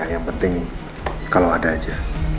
yang penting kalau ada aja